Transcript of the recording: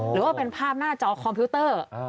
หรือว่าเป็นภาพหน้าจอคอมพิวเตอร์